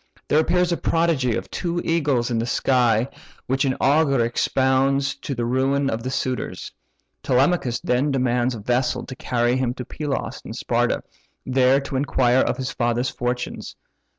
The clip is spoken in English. There appears a prodigy of two eagles in the sky, which an augur expounds to the ruin of the suitors. Telemachus then demands a vessel to carry him to Pylos and Sparta, there to inquire of his father's fortunes.